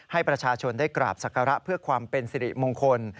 ให้ประชาชนได้กราบศักระเพื่อความเป็นสิริมงคล